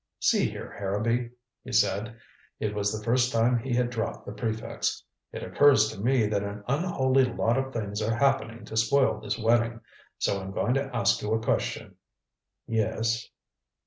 "See here, Harrowby," he said it was the first time he had dropped the prefix, "it occurs to me that an unholy lot of things are happening to spoil this wedding. So I'm going to ask you a question." "Yes."